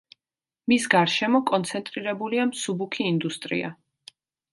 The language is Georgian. მის გარშემო კონცენტრირებულია მსუბუქი ინდუსტრია.